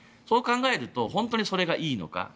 そう考えると本当にそれがいいのか。